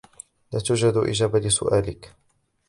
لا توجد إجابة لسؤالك.